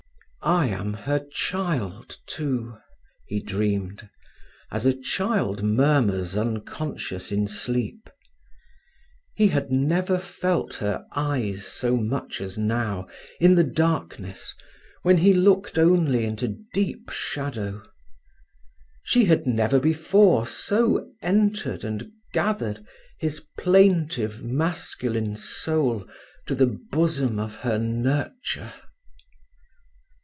"I am her child, too," he dreamed, as a child murmurs unconscious in sleep. He had never felt her eyes so much as now, in the darkness, when he looked only into deep shadow. She had never before so entered and gathered his plaintive masculine soul to the bosom of her nurture.